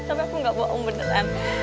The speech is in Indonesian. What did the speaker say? tapi aku gak bohong beneran